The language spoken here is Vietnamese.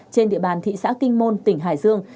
trên địa bàn thị xã kinh môn tỉnh hải dương